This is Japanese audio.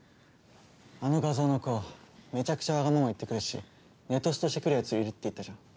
あの画像の子めちゃくちゃわがまま言ってくるしネトストしてくるやついるって言ったじゃん？